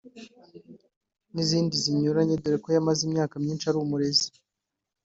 n’izindi zinyuranye dore ko yamaze imyaka myinshi ari umurezi